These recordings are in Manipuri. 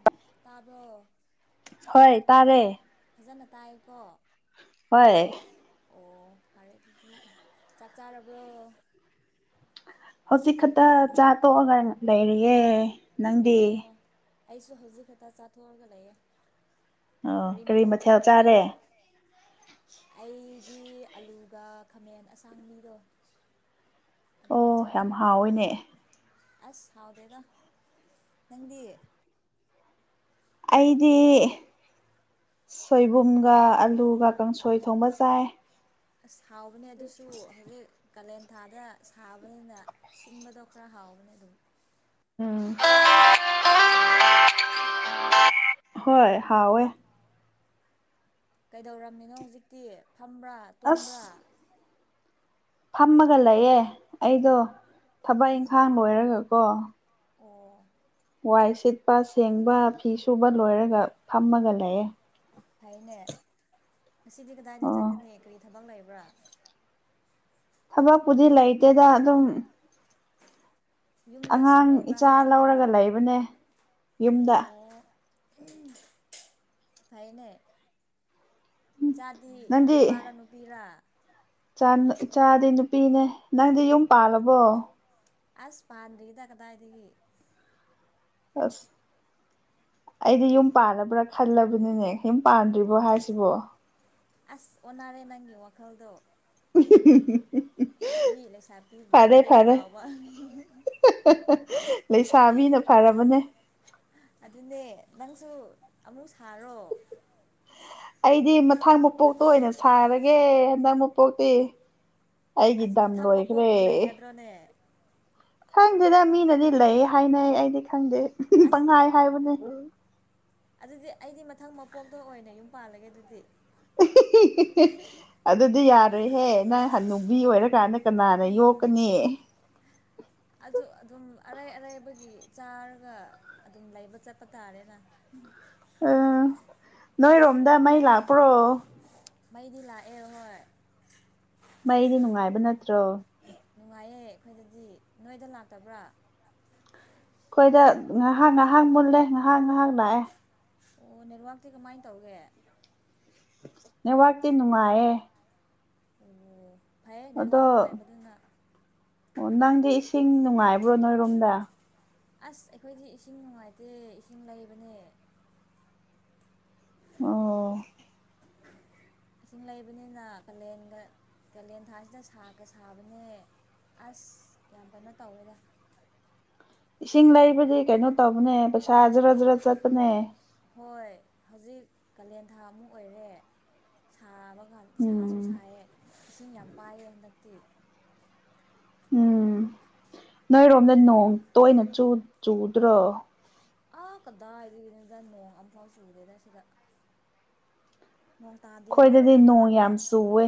ꯎ ꯇꯥꯕ꯭ꯔꯣ ꯍꯣꯏ ꯇꯥꯔꯦ ꯐꯖꯅ ꯇꯥꯏꯀꯣ ꯍꯣꯏ ꯑꯣ ꯐꯔꯦ ꯑꯗꯨꯗꯤ ꯆꯥꯛ ꯆꯥꯔꯕ꯭ꯔꯣ ꯍꯧꯖꯤꯛ ꯈꯛꯇ ꯆꯥ ꯇꯣꯛꯑꯒ ꯂꯩꯔꯤꯌꯦ ꯅꯪꯗꯤ ꯑꯣ ꯑꯩꯁꯨ ꯍꯧꯖꯤꯛ ꯈꯛꯇ ꯆꯥꯊꯣꯛꯑꯒ ꯂꯩꯌꯦꯦ ꯀꯔꯤ ꯃꯊꯦꯜ ꯆꯥꯔꯒꯦ ꯑꯩꯗꯤ ꯑꯂꯨ ꯑꯗꯨꯒ ꯈꯥꯃꯦꯟ ꯑꯁꯥꯡꯕꯤꯗꯣ ꯑꯗꯨꯒ ꯑꯣ ꯆꯥꯏ ꯌꯥꯝ ꯍꯥꯎꯋꯏꯅꯦ ꯑꯁ ꯍꯥꯎꯗꯦꯗ ꯅꯪꯗꯤ ꯑꯩꯗꯤ ꯁꯣꯏꯕꯨꯝꯒ ꯑꯂꯨꯒ ꯀꯥꯡꯁꯣꯏ ꯊꯣꯡꯕ ꯆꯥꯏ ꯑꯁ ꯍꯥꯎꯕꯅꯦ ꯑꯗꯨꯁꯨ ꯍꯧꯖꯤꯛ ꯀꯥꯂꯦꯟꯊꯥꯗ ꯁꯥꯕꯅꯤꯅ ꯁꯤꯟꯕꯗꯣ ꯈꯔ ꯍꯥꯎꯕꯅꯦ ꯑꯗꯨꯝ ꯎꯝ ꯍꯣꯏ ꯍꯥꯎ ꯀꯩꯗꯧꯔꯝꯃꯤꯅꯣ ꯍꯧꯖꯤꯛꯇꯤ ꯐꯝꯕ꯭ꯔꯥ ꯇꯨꯝꯕ꯭ꯔꯥ ꯊꯝꯃꯒ ꯂꯩꯑꯦ ꯑꯩꯗꯣ ꯊꯕꯛ ꯎꯝ ꯏꯪꯈꯥꯡ ꯂꯣꯏꯔꯒꯀꯣ ꯑꯣ ꯋꯥꯏ ꯁꯤꯠꯄ ꯁꯦꯡꯕ ꯐꯤ ꯁꯨꯕ ꯂꯣꯏꯔꯒ ꯐꯝꯃꯒ ꯂꯩꯑꯦ ꯐꯩꯅꯦ ꯉꯁꯤꯗꯤ ꯀꯗꯥꯏꯗ ꯑꯣ ꯆꯠꯀꯅꯤ ꯀꯔꯤ ꯊꯕꯛ ꯂꯩꯕ꯭ꯔꯥ ꯊꯕꯛꯄꯨꯗꯤ ꯂꯩꯇꯦꯗ ꯑꯗꯨꯝ ꯌꯨꯝꯗ ꯁꯨꯝ ꯑꯉꯥꯡ ꯂꯩꯕ ꯏꯆꯥ ꯂꯧꯔꯒ ꯍꯥꯏꯕꯗꯔ ꯂꯩꯕꯅꯦ ꯌꯨꯝꯗ ꯐꯥꯏꯅꯦ ꯏꯆꯥꯗꯤ ꯅꯪꯗꯤ ꯅꯨꯄꯥꯔ ꯅꯨꯄꯤꯔ ꯏꯆꯥꯗꯤ ꯅꯨꯄꯤꯅꯦ ꯅꯪꯗꯤ ꯌꯨꯝ ꯄꯥꯜꯂꯕꯣ ꯑꯁ ꯄꯥꯟꯗ꯭ꯔꯤꯦꯗ ꯀꯗꯥꯏꯗꯒꯤ ꯑꯁ ꯑꯩꯗꯤ ꯌꯨꯝ ꯄꯥꯜꯕ꯭ꯔꯥ ꯈꯜꯂꯕꯅꯤꯅꯦ ꯌꯨꯝ ꯄꯥꯟꯗ꯭ꯔꯤꯕꯣ ꯍꯥꯏꯁꯤꯕꯣ ꯑꯁ ꯑꯣꯟꯅꯔꯦ ꯅꯪꯒꯤ ꯋꯥꯈꯜꯗꯣ [inaudible] ꯃꯤ ꯂꯩ ꯁꯥꯄꯤ ꯐꯔꯦ ꯣꯞ ꯣꯞ ꯐꯔꯦ ꯂꯥꯎꯕ ꯂꯩꯁꯥꯕꯤꯅ ꯐꯔꯕꯅꯦ ꯑꯗꯨꯅꯦ ꯅꯪꯁꯨ ꯑꯃꯨꯛ ꯁꯥꯔꯣ ꯑꯩꯗꯤ ꯃꯊꯪ ꯃꯄꯣꯛꯇ ꯑꯣꯏꯅ ꯁꯥꯔꯒꯦ ꯍꯟꯗꯛ ꯃꯄꯣꯛꯇꯤ ꯑꯩꯒꯤ ꯑꯁ ꯝ ꯃꯊꯪ ꯂꯣꯏꯈ꯭ꯔꯦ ꯃꯄꯣꯛꯄꯨ ꯂꯩꯒꯗ꯭ꯔꯣꯅꯦ ꯈꯪꯗꯦꯗ ꯃꯤꯅꯗꯤ ꯂꯩ ꯍꯥꯏꯅꯩ ꯑꯩꯗꯤ ꯈꯪꯗꯦ ꯑꯁ ꯄꯪꯍꯥꯏ ꯍꯥꯏꯕꯅꯦ ꯑꯗꯨꯗꯤ ꯑꯩꯗꯤ ꯃꯊꯪ ꯃꯄꯣꯛꯇ ꯑꯣꯏꯅ ꯌꯨꯝ ꯄꯥꯜꯂꯒꯦ ꯑꯗꯨꯗꯤ [unintelligible] ꯑꯗꯨꯗꯤ ꯌꯥꯔꯦꯍꯦ ꯅꯪ ꯍꯟꯟꯅꯨꯕꯤ ꯑꯣꯏꯔꯀꯥꯟꯗ ꯀꯅꯥꯅ ꯌꯣꯛꯀꯅꯤ ꯑꯗꯨ ꯑꯗꯨꯝ ꯑꯔꯩ ꯑꯔꯥꯏꯕꯒꯤ ꯆꯥꯔꯒ ꯑꯗꯨꯝ ꯂꯩꯕ ꯆꯠꯄ ꯇꯥꯔꯦꯅ ꯑ ꯅꯣꯏ ꯔꯣꯝꯗꯥ ꯃꯥꯏ ꯂꯥꯛꯄ꯭ꯔꯣ ꯃꯩꯗꯤ ꯂꯥꯛꯑꯦ ꯍꯣꯏ ꯃꯩꯗꯤ ꯅꯨꯡꯉꯥꯏꯕ ꯅꯠꯇ꯭ꯔꯣ ꯅꯨꯡꯉꯥꯏꯌꯦ ꯑꯩꯈꯣꯏꯗꯗꯤ ꯅꯣꯏꯗ ꯂꯥꯛꯇꯕ꯭ꯔꯥ ꯑꯩꯈꯣꯏꯗ ꯉꯥꯏꯍꯥꯛ ꯉꯥꯏꯍꯥꯛ ꯃꯨꯜꯂꯦ ꯉꯥꯏꯍꯥꯛ ꯉꯥꯏꯍꯥꯛ ꯂꯥꯛꯑꯦ ꯑꯣ ꯅꯦꯠꯋꯥꯛꯇꯤ ꯀꯃꯥꯏꯅ ꯇꯧꯒꯦ ꯅꯦꯠꯋꯥꯛꯇꯤ ꯅꯨꯡꯉꯥꯏꯌꯦ ꯑꯣ ꯐꯩꯌꯦ ꯅꯦꯠꯋꯥꯛ ꯑꯗꯣ ꯅꯨꯡꯉꯥꯏꯕꯗꯨꯅ ꯑꯣ ꯅꯪꯗꯤ ꯏꯁꯤꯡ ꯅꯨꯡꯉꯥꯏꯕ꯭ꯔꯣ ꯅꯣꯏꯔꯣꯝꯗ ꯑꯁ ꯑꯩꯈꯣꯏꯗꯤ ꯏꯁꯤꯡ ꯅꯨꯡꯉꯥꯏꯇꯦ ꯏꯁꯤꯡ ꯂꯩꯕꯅꯦ ꯑꯣ ꯏꯁꯤꯡ ꯂꯩꯕꯅꯤꯅ ꯀꯥꯂꯦꯟꯒ ꯀꯥꯂꯦꯟ ꯊꯥꯁꯤꯗ ꯁꯥꯒ ꯁꯥꯕꯅꯦ ꯑꯁ ꯌꯥꯝ ꯀꯩꯅꯣ ꯇꯧꯋꯦꯗ ꯏꯁꯤꯡ ꯂꯩꯕꯗꯤ ꯀꯩꯅꯣ ꯇꯧꯕꯅꯦ ꯄꯩꯁꯥ ꯖꯔ ꯖꯔ ꯆꯠꯄꯅꯦ ꯍꯣꯏ ꯍꯧꯖꯤꯛ ꯀꯥꯂꯦꯟꯊꯥ ꯑꯃꯨꯛ ꯑꯣꯏꯔꯦ ꯁꯥ ꯑꯃ ꯀꯥꯟ ꯁꯥꯁꯨ ꯎꯝ ꯁꯥꯏꯑꯌꯦ ꯏꯁꯤꯡ ꯌꯥꯝ ꯄꯥꯏꯑꯦ ꯍꯟꯗꯛꯇꯤ ꯎꯝ ꯅꯣꯏꯔꯣꯝꯗ ꯅꯣꯡ ꯇꯣꯏꯅ ꯆꯨꯗ꯭ꯔꯣ ꯑꯥ ꯀꯗꯥ ꯅꯣꯡ ꯐꯥꯎ ꯁꯗꯦꯗ ꯁꯤꯒ ꯈꯣꯏꯗꯗꯤ ꯅꯣꯡ ꯌꯥꯝ ꯆꯨꯋꯦ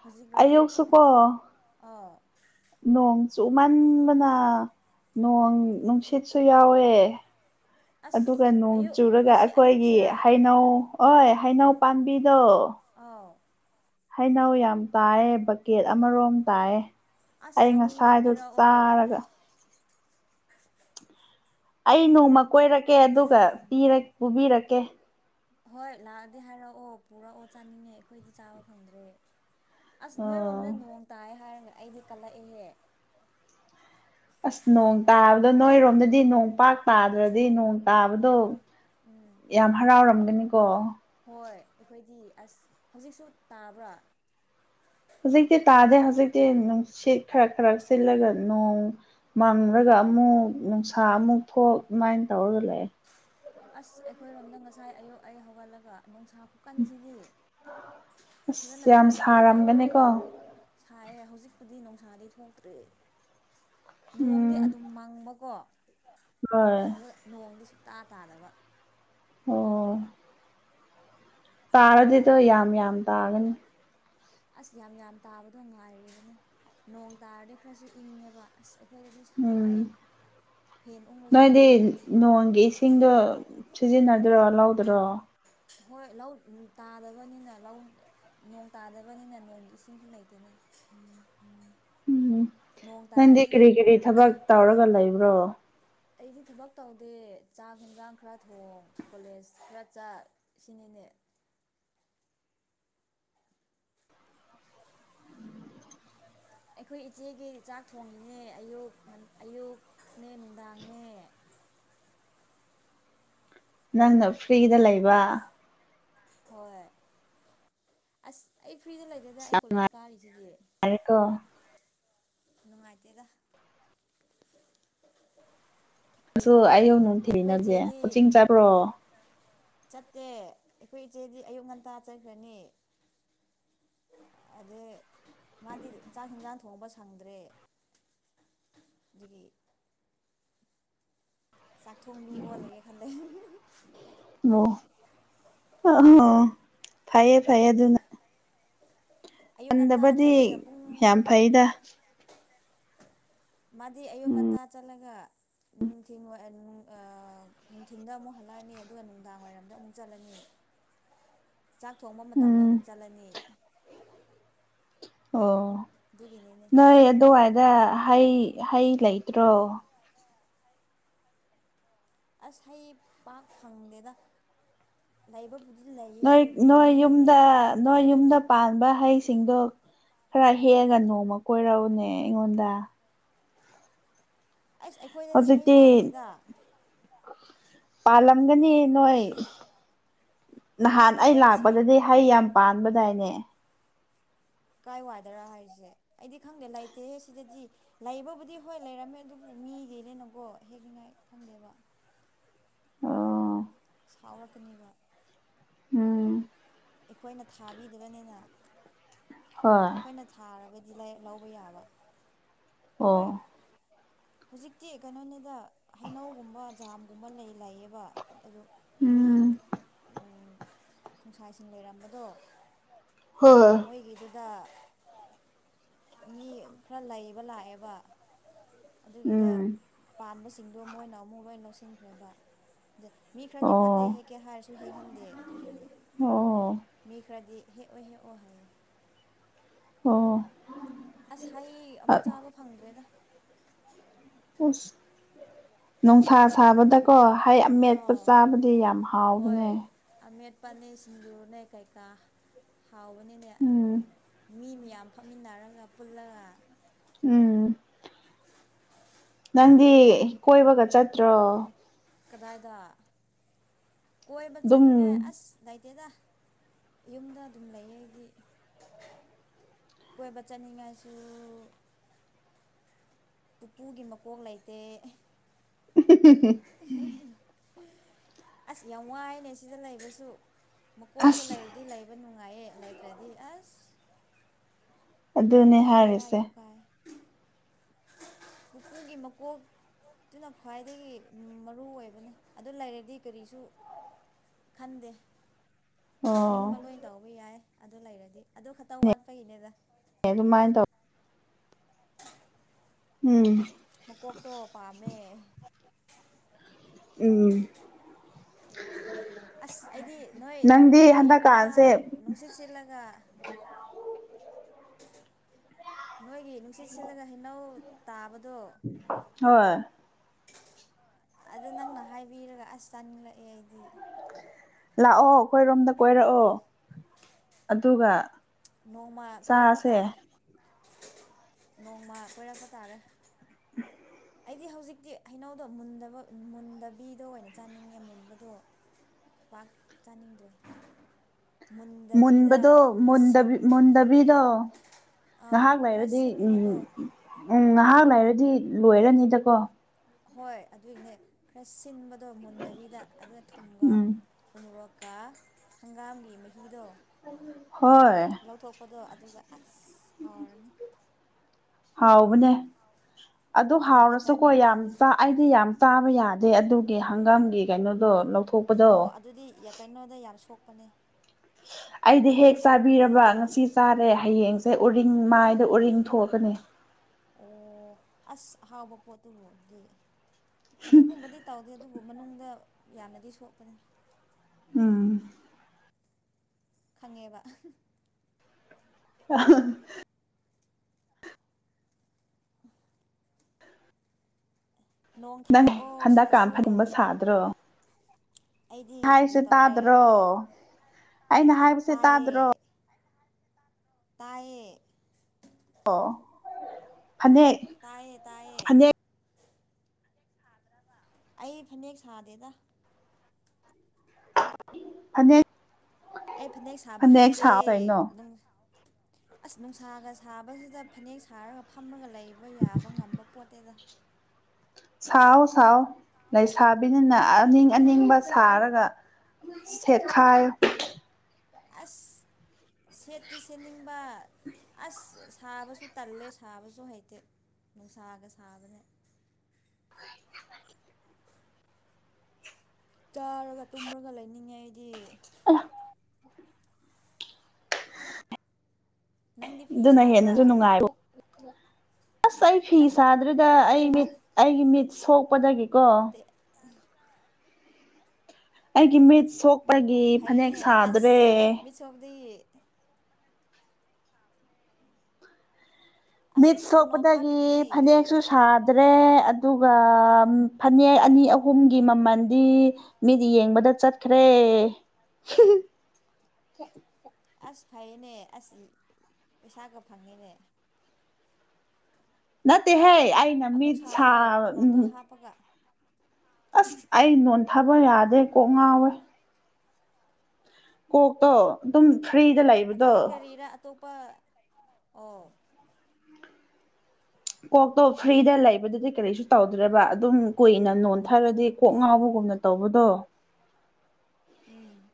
ꯍꯧꯖꯤꯛꯔꯣ ꯑꯌꯨꯛꯁꯨꯀꯣ ꯑꯣ ꯅꯣꯡ ꯆꯨꯃꯟꯕꯅ ꯅꯣꯡ ꯅꯨꯡꯁꯤꯠꯁꯨ ꯌꯥꯎꯋꯦ ꯑꯁ ꯑꯗꯨꯒ ꯅꯣꯡ ꯑꯌꯨꯛ ꯆꯨꯔꯒ ꯉꯁꯤ ꯑꯩꯈꯣꯏꯒꯤ ꯑꯌꯨꯛꯁꯤꯔꯥ ꯍꯩꯅꯧ ꯍꯣꯏ ꯍꯩꯅꯧ ꯄꯥꯝꯕꯤ ꯍꯗꯣ ꯑꯥꯎ ꯍꯩꯅꯧ ꯌꯥꯝ ꯇꯥꯏ ꯕꯛꯀꯦꯠ ꯑꯃꯔꯣꯝ ꯇꯥꯏꯌꯦ ꯑꯁ ꯑꯩ ꯆꯥꯅꯤꯡꯉꯦ ꯉꯁꯥꯏꯗꯗꯣ ꯄꯤꯔꯛꯑꯣ ꯆꯥꯔꯒ ꯑꯩ ꯅꯣꯡꯃ ꯀꯣꯏꯔꯛꯀꯦ ꯑꯗꯨꯒ ꯄꯨꯕꯤꯔꯛꯀꯦ ꯍꯣꯏ ꯂꯥꯛꯑꯗꯤ ꯍꯥꯏꯔꯛꯑꯣ ꯄꯨꯔꯛꯑꯣ ꯆꯥꯅꯤꯡꯉꯦ ꯑꯩꯈꯣꯏꯗꯤ ꯆꯥꯕ ꯐꯪꯗ꯭ꯔꯦ ꯑꯁ ꯑꯥ ꯅꯣꯏꯔꯣꯝꯗ ꯅꯣꯡ ꯇꯥꯏ ꯍꯥꯏꯔꯒ ꯑꯩꯗꯤ ꯀꯂꯛꯑꯦꯍꯦ ꯑꯁ ꯅꯣꯡ ꯇꯥꯕꯗꯣ ꯅꯣꯏꯔꯣꯝꯗꯗꯤ ꯅꯣꯡꯄꯥꯛꯥꯛ ꯇꯥꯗ꯭ꯔꯗꯤ ꯅꯣꯡ ꯇꯥꯕꯗꯣ ꯎꯝ ꯌꯥꯝ ꯍꯔꯥꯎꯔꯝꯒꯅꯤꯀꯣ ꯍꯣꯏ ꯑꯩꯈꯣꯏꯗꯤ ꯑꯁ ꯍꯧꯖꯤꯛꯁꯨ ꯇꯥꯕ꯭ꯔꯥ ꯍꯧꯖꯤꯛꯇꯤ ꯇꯥꯗꯦ ꯍꯧꯖꯤꯛꯇꯤ ꯅꯨꯡꯁꯤꯠ ꯈꯔ ꯈꯔ ꯁꯤꯜꯂꯒ ꯅꯣꯡ ꯃꯝꯂꯒ ꯑꯃꯨꯛ ꯅꯨꯡꯁꯥ ꯑꯃꯨꯛ ꯊꯣꯛ ꯑꯗꯨꯃꯥꯏꯅ ꯇꯧꯔꯒ ꯂꯩ ꯑꯁ ꯑꯩꯈꯣꯏꯔꯣꯝꯗ ꯉꯁꯥꯏ ꯑꯌꯨꯛ ꯑꯩ ꯍꯧꯒꯠꯂꯒ ꯅꯨꯡꯁꯥ ꯐꯨꯀꯟꯁꯤꯗꯤ ꯐꯖꯅ ꯑꯁ ꯌꯥꯝ ꯊꯣꯛꯑꯦ ꯅꯨꯡꯁꯥ ꯁꯥꯔꯝꯒꯅꯤꯀꯣ ꯊꯥꯏ ꯍꯧꯖꯤꯛꯄꯨꯗꯤ ꯅꯨꯡꯁꯥꯗꯤ ꯊꯣꯛꯇ꯭ꯦ ꯅꯣꯡꯗꯤ ꯎꯝ ꯑꯗꯨꯝ ꯃꯪꯕꯀꯣ ꯑ ꯍꯣꯏ ꯅꯣꯡꯗꯤ ꯁꯨꯛꯇꯥ ꯇꯥꯗꯕ ꯑꯣ ꯇꯥꯔꯗꯤꯗꯣ ꯌꯥꯝ ꯌꯥꯝ ꯇꯥꯒꯅꯤ ꯑꯁ ꯌꯥꯝ ꯌꯥꯝ ꯇꯥꯕꯗꯣ ꯉꯥꯏꯅꯦ ꯅꯣꯡ ꯇꯥꯔꯗꯤ ꯈꯔꯁꯨ ꯏꯪꯉꯦꯕ ꯑꯁ ꯑꯩꯈꯣꯏꯗꯗꯤ ꯎꯝ ꯁꯥꯏꯌꯦ ꯐꯦꯟ ꯎꯪꯉꯁꯨ ꯅꯣꯏꯗꯤ ꯅꯣꯡꯒꯤ ꯏꯁꯤꯡꯗꯣ ꯁꯤꯖꯤꯟꯅꯗꯔꯣ ꯂꯧꯗꯔꯣ ꯍꯣꯏ ꯂꯧ ꯇꯥꯗꯕꯅꯤꯅ ꯂꯧ ꯅꯣꯡ ꯇꯥꯗꯕꯅꯤꯅ ꯅꯣꯡꯒꯤ ꯏꯁꯤꯡꯁꯨ ꯂꯩꯇꯦꯅꯦ [inaudible] ꯎꯝ ꯅꯣꯡ ꯅꯪꯗꯤ ꯇꯥꯔꯗꯤ ꯀꯔꯤ ꯀꯔꯤ ꯊꯕꯛ ꯇꯧꯔꯒ ꯂꯩꯕ꯭ꯔꯣ ꯑꯩꯗꯤ ꯊꯕꯛ ꯇꯧꯗꯦ ꯆꯥꯛ ꯌꯦꯟꯖꯥꯡ ꯈꯔ ꯊꯣꯡ ꯀꯣꯂꯦꯖ ꯈꯔ ꯆꯠ ꯁꯤꯅꯤ [inaudible] ꯑꯩꯈꯣꯏ ꯏꯆꯦꯒꯤ ꯆꯥꯛ ꯊꯣꯡꯉꯤꯅꯦ ꯑꯌꯨꯛ ꯑꯌꯨꯛꯅꯦ ꯅꯨꯡꯗꯥꯡꯅꯦ [inaudible] ꯅꯪꯅ ꯐ꯭ꯔꯤꯗ ꯂꯩꯕ ꯍꯣꯏ ꯑꯁ ꯑꯩ ꯐ꯭ꯔꯤꯗ ꯂꯩꯒꯦꯗ ꯑꯩ ꯀꯣꯂꯦꯖ ꯀꯥꯔꯤꯁꯤꯒꯤ ꯌꯥꯔꯦꯀꯣ ꯅꯨꯡꯉꯥꯏ ꯇꯦꯗ ꯑꯗꯨ ꯑꯩ ꯌꯧ ꯅꯨꯡꯊꯤꯅꯗꯦ ꯀꯣꯠꯆꯤꯡ ꯆꯥꯠꯄ꯭ꯔꯣ ꯆꯠꯇꯦ ꯑꯩꯈꯣꯏ ꯏꯆꯦꯗꯤ ꯑꯌꯨꯛ ꯉꯟꯇꯥ ꯆꯠꯈ꯭ꯔꯅꯤ ꯑꯗꯨ ꯃꯥꯗꯤ ꯆꯥꯛ ꯍꯟꯖꯥꯡ ꯊꯣꯡꯕ ꯁꯪꯗ꯭ꯔꯦ ꯑꯥꯗꯨꯒꯤ ꯆꯥꯛꯊꯣꯡꯕꯤ ꯑꯣꯜꯂꯒꯦ ꯈꯜꯂꯦ ꯑꯣ ꯑ ꯐꯩꯌꯦ ꯐꯩꯌꯦ ꯑꯗꯨꯅ ꯑꯌꯨꯛ ꯉꯟꯇꯥ ꯉꯟꯗꯕꯗꯤ ꯆꯠꯂꯒ ꯄꯨꯡ ꯌꯥꯝ ꯐꯩꯗ ꯃꯥꯗꯤ ꯑꯌꯨꯛ ꯉꯟꯇꯥ ꯆꯠꯂꯒ ꯎꯝ ꯅꯨꯡꯊꯤꯟ ꯅꯨꯡꯊꯤꯟꯗ ꯑꯃꯨꯛ ꯍꯜꯂꯛꯑꯅꯤ ꯑꯗꯨꯒ ꯅꯨꯡꯗꯥꯡ ꯋꯥꯏꯔꯝꯗ ꯑꯃꯨꯛ ꯆꯠꯂꯅꯤ [inaudible] ꯆꯥꯛ ꯊꯣꯡꯕ ꯃꯇꯝꯗ ꯎꯝ ꯑꯃꯨꯛ ꯆꯠꯂꯅꯤ ꯑꯣ ꯑꯗꯨꯒꯤꯅꯤꯅꯦ ꯅ ꯌꯦꯗꯣ ꯍꯥꯏ ꯑꯗ ꯍꯩ ꯍꯩ ꯂꯩꯇ꯭ꯔꯣ ꯑꯁ ꯍꯩ ꯄꯥꯛ ꯐꯪꯗꯦꯗ ꯂꯩꯕꯕꯨ ꯅꯣꯏ ꯅꯣꯏ ꯌꯨꯝꯗ ꯅꯣꯏ ꯌꯨꯝꯗ ꯄꯥꯟꯕ ꯍꯩꯁꯤꯡꯗꯣ ꯈꯔ ꯍꯦꯛꯑ ꯅꯣꯡꯃ ꯀꯣꯏꯔꯛꯎꯅꯦ ꯑꯩꯉꯣꯟꯗ ꯑꯁ ꯑꯩꯈꯣꯏꯗꯗꯤ ꯍꯩ ꯍꯧꯖꯤꯛꯇꯤ ꯄꯥꯟꯗꯦꯗ ꯄꯥꯜꯂꯝꯒꯅꯤ ꯅꯣꯏ ꯅꯍꯥꯟ ꯑꯁ ꯑꯩ ꯑꯩꯈꯣꯏ ꯑꯁꯤ ꯂꯥꯛꯄꯗꯗꯤ ꯍꯩ ꯌꯥꯝ ꯄꯥꯟꯕꯗꯥꯏꯅꯦ ꯀꯥꯏ ꯋꯥꯏꯗꯔꯥ ꯍꯥꯏꯔꯤꯁꯦ ꯑꯩꯗꯤ ꯈꯪꯗꯦ ꯂꯩꯇꯦꯍꯦ ꯁꯤꯗꯗꯤ ꯂꯩꯕꯕꯨꯗꯤ ꯍꯣꯏ ꯂꯩꯔꯝꯃꯦ ꯑꯗꯨꯕꯨ ꯃꯤꯒꯤꯅꯦꯅꯀꯣ ꯍꯦꯛꯅꯤꯡꯉꯥꯏ ꯈꯪꯗꯦꯕ [inaudible] ꯑꯣ ꯁꯥꯎꯔꯛꯀꯅꯦꯕ ꯎꯝ ꯑꯩꯈꯣꯏꯅ ꯊꯥꯕꯤꯗꯕꯅꯤꯅ ꯍꯣꯏ ꯑꯩꯈꯣꯏꯅ ꯊꯥꯔꯒꯗꯤ ꯂꯧꯕ ꯌꯥꯕ ꯑꯩꯈꯣꯏ ꯑꯣ ꯍꯧꯖꯤꯛꯇꯤ ꯀꯩꯅꯣꯅꯤꯗ ꯍꯩꯅꯧꯒꯨꯝꯕ ꯖꯥꯝꯒꯨꯝꯕ ꯂꯩ ꯂꯩꯌꯦꯕ ꯑꯗꯨ ꯃꯤ ꯎꯝ ꯈꯣꯡꯁꯥꯏꯁꯤꯡ ꯂꯩꯔꯝꯕꯗꯣ ꯍꯣꯏ ꯑꯗ ꯃꯤ ꯈꯔ ꯂꯩꯕ ꯂꯥꯛꯑꯦꯕ ꯑꯗꯨꯒꯤꯗ ꯎꯝ ꯄꯥꯟꯕꯁꯤꯡꯗꯣ ꯃꯣꯏꯅ ꯑꯃꯨꯛ ꯂꯣꯏ ꯂꯧꯁꯤꯟꯈ꯭ꯔꯦꯕ ꯃꯤ ꯈꯔꯗꯤ ꯐꯠꯇꯦ ꯑꯣ ꯍꯦꯛꯀꯦ ꯍꯥꯏꯔꯁꯨ ꯍꯦꯛꯍꯟꯗꯦ ꯑꯗꯨꯒꯤꯅꯦ ꯑꯣ ꯃꯤ ꯈꯔꯗꯤ ꯍꯦꯛꯑꯣ ꯍꯦꯛꯑꯣ ꯍꯥꯏ ꯑꯣ ꯑꯁ ꯍꯩ ꯑꯃꯨꯛ ꯑꯁ ꯆꯥꯕ ꯐꯪꯗ꯭ꯔꯦꯗ ꯑꯁ ꯅꯨꯡꯁꯥ ꯁꯥꯕꯗꯀꯣ ꯍꯩ ꯑꯃꯦꯠꯄ ꯑꯥ ꯆꯥꯕꯗꯤ ꯌꯥꯝ ꯍꯥꯎꯕꯅꯦ ꯄꯅꯦ ꯁꯤꯡꯖꯨꯅꯦ ꯀꯩꯀꯥ ꯍꯥꯎꯕꯅꯤꯅꯦ ꯎꯝ ꯃꯤ ꯌꯥꯝ ꯐꯝꯃꯤꯟꯅꯔꯒ ꯄꯨꯜꯂꯒ ꯎꯝ ꯅꯪꯗꯤ ꯀꯣꯏꯕꯒ ꯆꯠꯇ꯭ꯔꯣ ꯀꯗꯥꯏꯗ ꯀꯣꯏꯕ ꯑꯗꯨꯝ ꯆꯠꯅꯤꯡꯉꯥꯏ ꯑꯁ ꯂꯩꯇꯦꯗ ꯌꯨꯝꯗ ꯑꯗꯨꯝ ꯂꯩꯌꯦ ꯑꯩꯗꯤ ꯀꯣꯏꯕ ꯆꯠꯅꯤꯡꯉꯥꯏꯁꯨ ꯄꯨꯄꯨꯒꯤ ꯃꯀꯣꯛ ꯂꯩꯇꯦ [inaudible] ꯑꯁ ꯌꯥꯝ ꯋꯥꯏꯅꯦ ꯁꯤꯗ ꯂꯩꯕꯁꯨ ꯃꯀꯣꯛꯇꯣ ꯑꯁ ꯂꯩꯔꯗꯤ ꯂꯩꯕ ꯅꯨꯡ ꯉꯥꯏꯑꯦ ꯂꯩꯇ꯭ꯔꯗꯤ ꯑꯁ ꯑꯗꯨꯅꯦ ꯀꯩꯅꯣ ꯕꯦꯔꯥ ꯍꯥꯏꯔꯤꯁꯦ ꯌꯥꯝ ꯀꯥꯏ [inaudible] ꯄꯨꯄꯨꯒꯤ ꯃꯀꯣꯛ ꯑꯗꯨꯅ ꯈ꯭ꯋꯥꯏꯗꯒꯤ ꯃꯔꯨ ꯑꯣꯏꯕꯅꯤ ꯑꯗꯨ ꯂꯩꯥꯏꯔꯗꯤ ꯀꯔꯤꯁꯨ ꯈꯟꯗꯦ ꯇꯧꯅꯤꯡꯕ ꯑꯣ ꯂꯣꯏ ꯇꯧꯕ ꯌꯥꯏ ꯑꯗꯨ ꯂꯩꯔꯗꯤ ꯑꯗꯨ ꯈꯛꯇ ꯋꯥꯠꯄꯒꯤꯅꯦꯗ ꯑꯦ ꯑꯗꯨꯃꯥꯏꯅ ꯇꯧ [inaudible] ꯎꯝ ꯃꯀꯣꯛꯇꯣ ꯄꯥꯝꯃꯦ ꯎꯝ ꯑꯁ ꯑꯩꯗꯤ ꯅꯣꯏ ꯅꯪꯗꯤ ꯑꯌꯨꯛ ꯉꯟꯇꯥ ꯍꯟꯗꯛꯀꯥꯟꯁꯦ ꯅꯨꯡꯁꯤꯠ ꯁꯤꯠꯂꯒ ꯅꯣꯏꯒꯤ ꯅꯨꯡꯁꯤꯠ ꯁꯤꯠꯂꯒ ꯍꯩꯅꯧ ꯇꯥꯕ ꯍꯣꯏ ꯑꯗꯨ ꯅꯪꯅ ꯍꯥꯏꯕꯤꯔꯒ ꯑꯁ ꯆꯥꯅꯤꯡꯂꯛꯑꯦ ꯑꯩꯗꯤ ꯂꯥꯛꯑꯣ ꯑꯩꯈꯣꯏꯔꯣꯝꯗ ꯀꯣꯏꯔꯛꯑꯣ ꯑꯗꯨꯒ ꯅꯣꯡꯃ ꯀꯣꯏꯔꯛꯄ ꯆꯥꯁꯦ ꯇꯥꯔꯦ ꯅꯣꯡꯃ ꯀꯣꯏꯔꯛꯄ ꯇꯥꯔꯦ [inaudible] ꯑꯩꯗꯤ ꯍꯧꯖꯤꯛꯇꯤ ꯍꯩꯅꯧꯗꯣ ꯃꯨꯟꯗꯕ ꯃꯨꯟꯗꯕꯤꯗ ꯑꯣꯏꯅ ꯆꯥꯅꯤꯡꯉꯦ ꯃꯨꯟꯕꯗꯣ ꯄꯥꯛ ꯆꯥꯅꯤꯡꯗ꯭ꯔꯦ ꯃꯨꯟꯗꯕꯤꯗ ꯃꯨꯟꯕꯗꯣ ꯈꯔ ꯁꯤꯟ ꯃꯨꯟꯗꯕꯤ ꯃꯨꯟꯗꯕꯤꯗꯣ ꯑꯥ ꯉꯍꯥꯛ ꯈꯔ ꯂꯩꯔꯗꯤ ꯎꯝ ꯁꯤꯟꯕꯗꯣ ꯎꯝ ꯉꯍꯥꯛ ꯂꯩꯥꯏꯔꯗꯤ ꯂꯣꯏꯔꯅꯤꯗꯀꯣ ꯍꯣꯏ ꯑꯗꯨꯒꯤꯅꯦ ꯈꯔ ꯁꯤꯟꯕꯗꯣ ꯃꯨꯟꯗꯕꯤꯗ ꯑꯗꯨꯗ ꯊꯨꯝꯒ ꯎꯝ ꯎ ꯃꫭꯔꫭꯛ ꯀ ꯍꯪꯒꯥꯝꯒꯤ ꯃꯍꯤ ꯍꯣꯏ ꯂꯧꯊꯣꯛꯄꯗꯣ ꯑꯗꯨꯒ ꯑꯁ ꯍꯥꯎꯔꯅꯤ ꯍꯥꯎꯕꯅꯦ ꯑꯗꯨ ꯑꯗꯨꯒ ꯍꯥꯎꯔꯁꯨꯀꯣ ꯆꯥꯅꯤꯡꯉꯦ ꯌꯥꯝ ꯑꯩꯗꯤ ꯆꯥ ꯑꯩꯗꯤ ꯌꯥꯝ ꯆꯥ ꯌꯥꯗꯦ ꯑꯗꯨꯒꯤ ꯍꯪꯒꯥꯝꯒꯤ ꯀꯩꯅꯣꯗꯣ ꯂꯧꯊꯣꯛ ꯑꯣ ꯑꯗꯨꯗꯤ ꯌ ꯀꯩꯅꯣꯗ ꯌꯥꯝ ꯁꯣꯛꯄꯅꯦ ꯑꯩꯗꯤ ꯍꯦꯛ ꯆꯥꯕꯤꯔꯕ ꯉꯁꯤ ꯆꯥꯔꯦ ꯍꯌꯦꯡꯁꯦ ꯎꯔꯤꯡ ꯃꯥꯏꯗ ꯎꯔꯤꯡ ꯊꯣꯛꯀꯅꯤ ꯑꯣ ꯑꯁ ꯑꯍꯥꯎꯕ ꯄꯣꯠꯇꯨꯕꯨ ꯗꯤ ꯑꯗꯨꯒꯨꯝꯕꯗꯤ ꯇꯧꯗꯦ ꯑꯗꯨꯕꯨ ꯃꯅꯨꯡꯗ ꯌꯥꯝꯅꯗꯤ ꯁꯣꯛꯄꯅꯦ ꯎꯝ ꯈꯪꯉꯦꯕ ꯑꯍ ꯅꯣꯡ ꯅꯪ ꯊꯥꯔꯛꯑꯣ ꯍꯟꯗꯛꯀꯥꯟ ꯁꯤꯗꯁꯨ ꯐꯟ ꯒꯨꯝꯕ ꯁꯥꯗ꯭ꯔꯣ ꯑꯩꯗꯤ ꯀꯔꯤ ꯍꯥꯏꯁꯦ ꯇꯧꯔꯦ ꯇꯥꯗ꯭ꯔꯣ ꯑꯩꯅ ꯍꯥꯏꯕꯁꯦ ꯇꯥꯗ꯭ꯔꯣ ꯇꯥꯌꯦ ꯑꯣ ꯇꯥꯏꯌꯦ ꯇꯥꯏꯌꯦ ꯑꯩ ꯐꯅꯦꯛ ꯁꯥꯗꯦꯗ ꯐꯅꯦꯛ ꯑꯩ ꯐꯅꯦꯛ ꯁꯥꯕ ꯍꯩꯇꯦ ꯁꯥꯎ ꯀꯩꯅꯣ ꯅꯪ ꯑꯁ ꯅꯨꯡꯁꯥꯒ ꯁꯥꯕꯁꯤꯗ ꯐꯅꯦꯛ ꯁꯥꯔꯒ ꯐꯝꯃꯒ ꯂꯩꯕ ꯌꯥꯕ ꯉꯝꯕ ꯄꯣꯠꯇꯦꯗ ꯁꯥꯎ ꯁꯥꯎ ꯂꯩꯁꯥꯕꯤꯅꯤꯅ ꯑꯅꯤꯡ ꯑꯅꯤꯡꯕ ꯁꯥꯔꯒ ꯁꯦꯠꯈꯥꯏꯌꯣ ꯑꯁ ꯁꯦꯠꯇꯤ ꯁꯦꯠꯅꯤꯡꯕ ꯑꯁ ꯁꯥꯕꯁꯨ ꯇꯜꯂꯦ ꯁꯥꯕꯁꯨ ꯍꯩꯇꯦ ꯅꯨꯡꯁꯥꯒ ꯁꯥꯕꯅꯦ ꯆꯥꯔꯒ ꯇꯨꯝꯃꯒ ꯂꯩꯅꯤꯡꯉꯦ ꯑꯩꯗꯤ [unintelligible] ꯅꯪꯗꯤ ꯐꯤ ꯑꯗꯨꯅ ꯁꯥꯕ꯭ꯔꯥ ꯍꯦꯟꯅꯁꯨ ꯅꯨꯡꯉꯥꯏꯕ ꯑꯁ ꯑꯩ ꯐꯤ ꯅꯪ ꯁꯥꯗꯔꯦꯗ ꯑꯩ ꯃꯤꯠ ꯑꯩꯒꯤ ꯃꯤꯠ ꯁꯣꯛꯄꯗꯒꯤꯀꯣ ꯅꯠꯇꯦ ꯑꯩꯒꯤ ꯃꯤꯠ ꯑꯣ ꯁꯣꯛꯄꯒꯤ ꯐꯅꯦꯛ ꯐꯩꯅꯦ ꯁꯥꯗ꯭ꯔꯦ ꯑꯁ ꯃꯤꯠ ꯁꯣꯞꯗꯤ ꯑꯁ ꯃꯤꯠ ꯎꯅꯣꯞ ꯁꯣꯛꯄꯗꯒꯤ ꯍꯥꯞꯄꯤꯗꯨꯗꯤ ꯐꯅꯦꯛꯁꯨ ꯁꯥ ꯗꯔ꯭ꯦ ꯑꯗꯨꯒ ꯐꯅꯦꯛ ꯑꯅꯤ ꯑꯍꯨꯝ ꯃꯃꯜꯗꯤ ꯃꯤꯗꯤ ꯌꯦꯡꯕꯗꯥ ꯆꯠꯈꯔꯦ ꯐꯩꯅꯦ ꯑꯁ ꯄꯩꯁꯥꯒ ꯐꯪꯉꯦꯅꯦ ꯅꯠꯇꯦꯍꯦ ꯑꯩꯅ ꯑꯃꯨꯛ ꯃꯤꯠ ꯁꯥ ꯁꯥꯑꯣ ꯎꯝ ꯎꯅꯣꯞꯇꯣ ꯍꯥꯞꯄꯒ ꯑꯁ ꯑꯩ ꯅꯣꯟꯊꯥꯕ ꯌꯥꯗꯦ ꯀꯣꯛ ꯉꯥꯎꯋꯦ ꯀꯣꯛꯇꯣ ꯑꯗꯨꯝ ꯐ꯭ꯔꯤꯗ ꯂꯩꯕꯗꯣ ꯑꯗꯨꯗꯤ ꯀꯔꯤꯔꯥ ꯑꯇꯣꯞꯄ ꯑꯣ ꯀꯣꯛꯇꯣ ꯐ꯭ꯔꯤꯗ ꯂꯩꯕꯗꯨꯗꯤ ꯀꯔꯤꯁꯨ ꯇꯧꯗ꯭ꯔꯕ ꯑꯗꯨꯝ ꯀꯨꯏꯅ ꯅꯣꯟ ꯊꯔꯗꯤ ꯀꯣꯛ ꯑꯥ ꯉꯥꯎꯕꯒꯨꯝꯅ ꯇꯧꯕꯗꯣ ꯎꯝ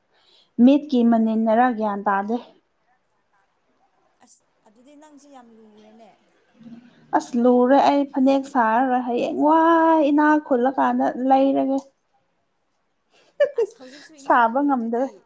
ꯃꯤꯠꯀꯤ ꯃꯅꯤꯟꯅꯔꯥ ꯒ꯭ꯌꯥꯟ ꯇꯥꯗꯦ ꯑꯁ ꯑꯗꯨꯗꯤ ꯅꯪꯁꯦ ꯌꯥꯝ ꯂꯨꯔꯦꯅꯦ [unintelligible] ꯑꯁ ꯂꯨꯔꯦ ꯑꯩ ꯐꯅꯦꯛ ꯁꯥꯔꯔꯣꯏ ꯍꯌꯦꯡ ꯋꯥꯏ ꯏꯅꯥꯛ ꯈꯨꯠꯂꯀꯥꯟꯗ ꯂꯩꯔꯒꯦ [inaudible] ꯑꯁ ꯍꯧꯖꯤꯛꯁꯨ ꯏꯅꯥꯛ ꯁꯥꯕ ꯉꯝꯗ꯭ꯔꯦ ꯈꯨꯨꯜꯂꯤꯗꯨꯗꯤ